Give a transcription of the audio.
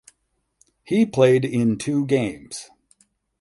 He played in two games.